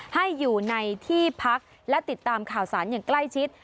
ให้อยู่ในที่พักและติดตามข่าวสารอย่างใกล้ชิด